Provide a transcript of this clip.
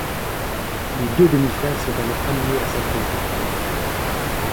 Les deux demi-frères sont alors amenés à s'affronter.